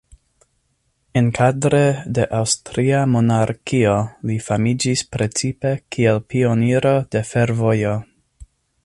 Enkadre de aŭstria monarkio li famiĝis precipe kiel pioniro de fervojo.